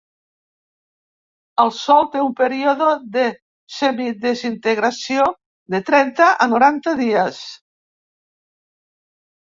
Al sòl té un període de semidesintegració de trenta a noranta dies.